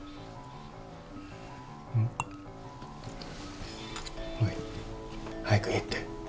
うん？おい早く言えって。